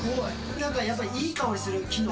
なんかやっぱりいい香りする、木の。